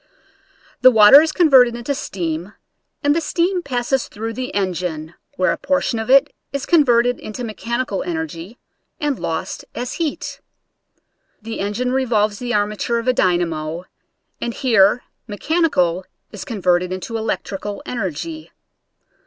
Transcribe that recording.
The water is converted into steam and the steam passes through the engine, where a portion of it is converted into mechanical energy and lost as heat. The. engine revolves the armature of a dynamo and here mechanical is converted into electrical energy.